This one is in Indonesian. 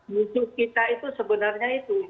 musuh kita itu sebenarnya itu